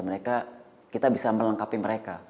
mereka kita bisa melengkapi mereka